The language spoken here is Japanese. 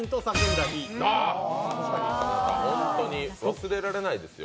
本当に忘れられないですよ。